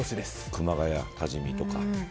熊谷、多治見とか。